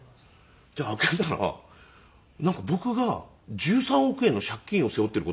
で開けたらなんか僕が１３億円の借金を背負っている事になっていて。